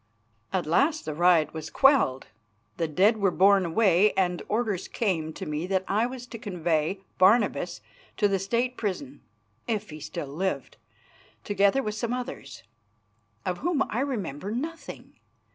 At last the riot was quelled; the dead were borne away, and orders came to me that I was to convey Barnabas to the State prison if he still lived, together with some others, of whom I remember nothing.